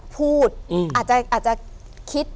พูดอาจจะคิด